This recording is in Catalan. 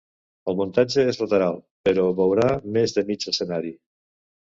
El muntatge és lateral, però veurà més de mig escenari.